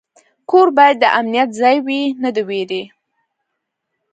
کور باید د امنیت ځای وي، نه د ویرې.